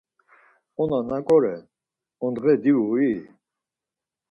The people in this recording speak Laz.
Ora naǩo ren, ondğe divui?